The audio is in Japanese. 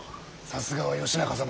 さすがは義仲様。